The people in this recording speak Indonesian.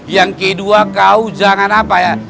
yang kedua kau jangan apa ya